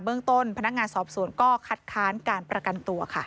เรื่องต้นพนักงานสอบสวนก็คัดค้านการประกันตัวค่ะ